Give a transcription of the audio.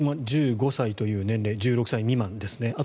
１５歳という年齢１６歳未満ですね。